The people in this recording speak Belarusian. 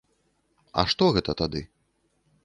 А што гэта тады?